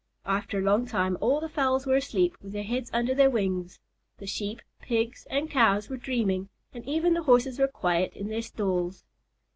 After a long time, all the fowls were asleep with their heads under their wings. The Sheep, Pigs, and Cows were dreaming, and even the Horses were quiet in their stalls.